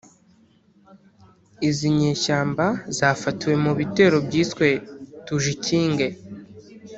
Izi nyeshyamba zafatiwe mu bitero byiswe ‘Tujikinge’